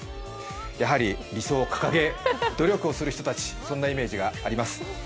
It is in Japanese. やはり理想を掲げ、努力をする人たち、そんなイメージがあります。